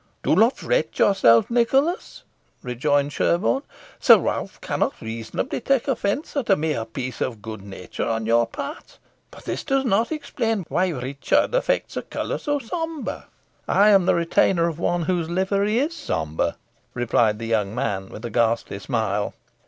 '" "Do not fret yourself, Nicholas," rejoined Sherborne; "Sir Ralph cannot reasonably take offence at a mere piece of good nature on your part. But this does not explain why Richard affects a colour so sombre." "I am the retainer of one whose livery is sombre," replied the young man, with a ghastly smile.